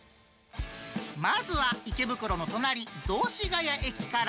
まずは池袋の隣、雑司が谷駅から。